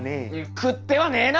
食ってはねえな！